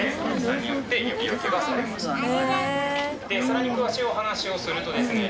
さらに詳しいお話をするとですね